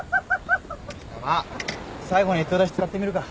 まあ最後の一投だし使ってみるか。